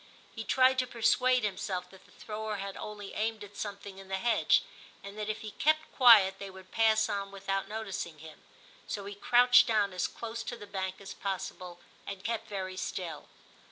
He tried to persuade himself that the thrower had only aimed at something in the hedge, and that if he kept quiet they would pass on without noticing him ; so he crouched down as close to the bank as possible, and kept very still.